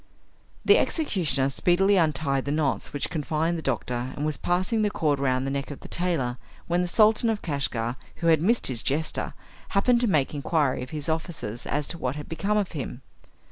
The executioner speedily untied the knots which confined the doctor, and was passing the cord round the neck of the tailor, when the Sultan of Kashgar, who had missed his jester, happened to make inquiry of his officers as to what had become of him.